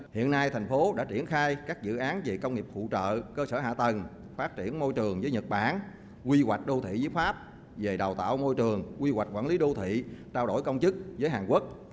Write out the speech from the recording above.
hiện nay thành phố đã triển khai các dự án về công nghiệp phụ trợ cơ sở hạ tầng phát triển môi trường với nhật bản quy hoạch đô thị với pháp về đào tạo môi trường quy hoạch quản lý đô thị trao đổi công chức với hàn quốc